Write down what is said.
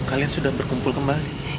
kalian sudah berkumpul kembali